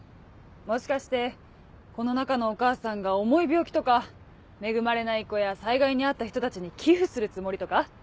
もしかしてこの中のお母さんが重い病気とか恵まれない子や災害に遭った人たちに寄付するつもりとか？